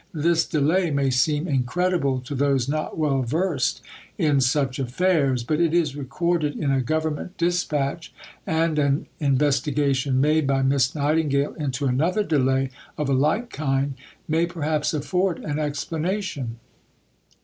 This delay may seem incredible to those not well versed in such affairs, but it is recorded in a Government Dispatch, and an investigation made by Miss Nightingale into another delay of a like kind may perhaps afford an explanation.